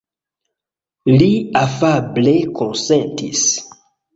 Li afable konsentis.